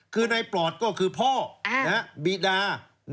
คือในปลอดก็คือพ่อบีดา